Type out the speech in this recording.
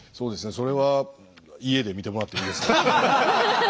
それは家で見てもらっていいですか？